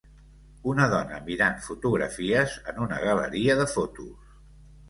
Una dona mirant fotografies en una galeria de fotos.